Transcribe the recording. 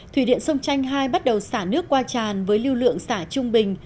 thủy điện sông chanh hai bắt đầu xả nước qua tràn với lưu lượng xả trung bình